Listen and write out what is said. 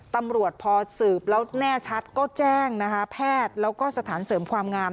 ตำรวจพอสืบแล้วแน่ชัดก็แจ้งนะคะแพทย์แล้วก็สถานเสริมความงาม